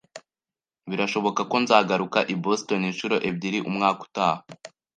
Birashoboka ko nzagaruka i Boston inshuro ebyiri umwaka utaha